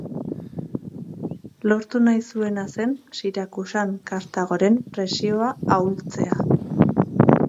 Lortu nahi zuena zen Sirakusan Kartagoren presioa ahultzea.